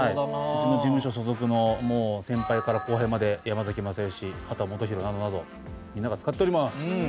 うちの事務所所属の先輩から後輩まで山崎まさよし秦基博などなどみんなが使っております。